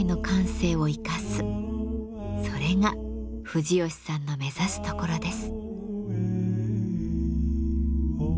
それが藤吉さんの目指すところです。